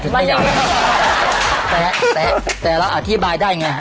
แตะแตะแตะแล้วอธิบายได้ไง